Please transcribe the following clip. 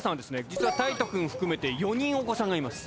実は大徹くん含めて４人お子さんがいます。